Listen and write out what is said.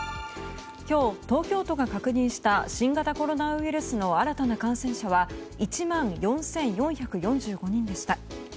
今日、東京都が確認した新型コロナウイルスの新たな感染者は１万４４４５人でした。